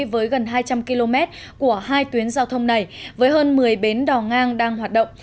với gần hai trăm linh km của hai tuyến giao thông này với hơn một mươi bến đò ngang đang hoạt động